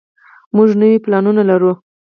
موږ نوي پلانونه لرو.